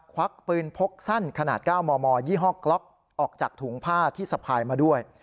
ควักปืนพกสั้นขนาด๙มมยี่ห้อกล็อกออกจากถุงผ้าที่สะพายมาด้วย